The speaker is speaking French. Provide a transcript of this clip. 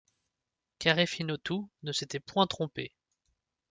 Carèfinotu ne s’était point trompé.